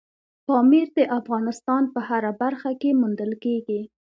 پامیر د افغانستان په هره برخه کې موندل کېږي.